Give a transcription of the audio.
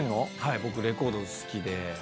僕レコード好きで。